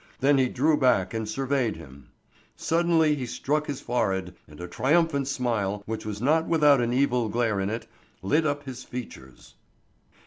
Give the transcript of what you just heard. Then he drew back and surveyed him. Suddenly he struck his forehead, and a triumphant smile, which was not without an evil glare in it, lit up his features.